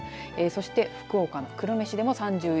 そして福岡の久留米市でも３１．４度。